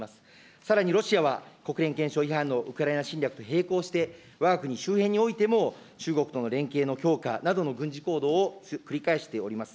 さらにロシアは、国連憲章違反のウクライナ侵略と並行して、わが国周辺においても、中国との連携の強化などの軍事行動を繰り返しております。